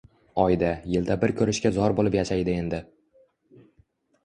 Oyda, yilda bir ko`rishga zor bo`lib yashaydi endi